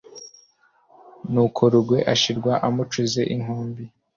n'uko Rugwe ashirwa amucuze inkumbi.